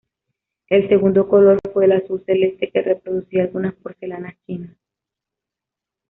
El segundo color fue el azul celeste que reproducía algunas porcelanas chinas.